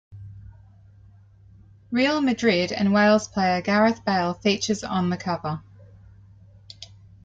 Real Madrid and Wales player Gareth Bale features on the cover.